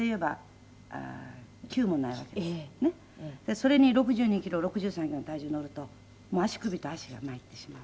それに６２キロ６３キロの体重乗ると足首と足が参ってしまう。